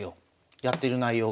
やってる内容が。